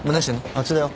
あっちだよ。